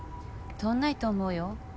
通んないと思うよ。